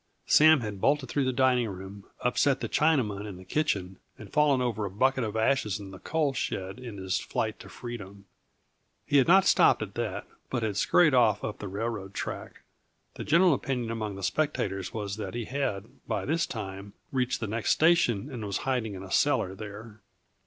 Sam had bolted through the dining room, upset the Chinaman in the kitchen, and fallen over a bucket of ashes in the coal shed in his flight for freedom. He had not stopped at that, but had scurried off up the railroad track. The general opinion among the spectators was that he had, by this time, reached the next station and was hiding in a cellar there.